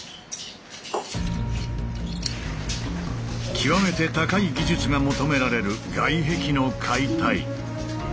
極めて高い技術が求められる外壁の解体。